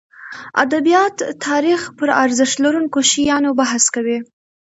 ادبیات تاریخ پرارزښت لرونکو شیانو بحث کوي.